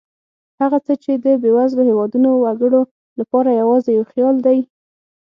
هغه څه چې د بېوزلو هېوادونو وګړو لپاره یوازې یو خیال دی.